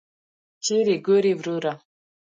چیري ګورې وروره !